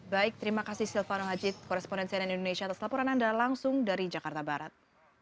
baik terima kasih silvano haji korespondensi dari indonesia atas laporan anda langsung dari jakarta barat